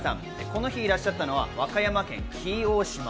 この日いらっしゃったのは和歌山県紀伊大島。